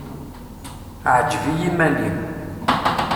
Ɛǧeb i yiman-im.